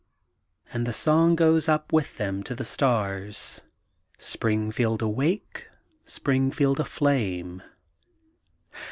And the song goes up with them to the stars: "Springfield Awake, Springfield Aflame.'